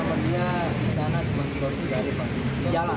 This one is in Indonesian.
saya kenal dia di sana cuma keluar dari di jalan